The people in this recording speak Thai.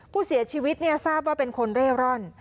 ผู้เสียชีวิตทราบว่าเป็นคนเร่ร่อน